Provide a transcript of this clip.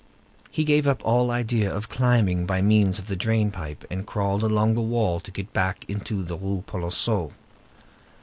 He gave up all idea of climbing by means of the drain pipe, and crawled along the wall to get back into the Rue Polonceau.